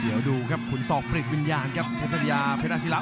เดี๋ยวดูครับฝุ่นศอกปริตวิญญาณครับเฉียบพระธุระภัย